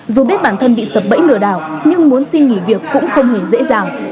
dù biết bản thân bị sập bẫy lừa đảo nhưng muốn xin nghỉ việc cũng không hề dễ dàng